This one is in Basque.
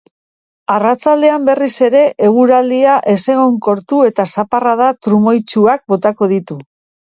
Arratsaldean, berriz ere, eguraldia ezegonkortu eta zaparrada trumoitsuak botako ditu.